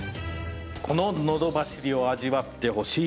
こののどばしりを味わってほしい。